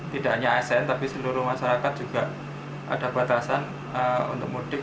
tidak hanya asn tapi seluruh masyarakat juga ada batasan untuk mudik